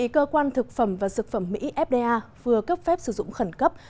cơ quan thực phẩm và dược phẩm mỹ fda vừa cấp phép sử dụng khẩn cấp